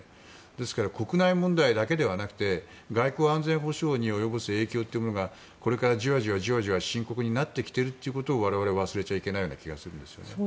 ですから国内問題だけではなくて外交・安全保障に及ぼす影響というものがこれからじわじわと深刻になってきているということを我々は忘れちゃいけないような気がするんですね。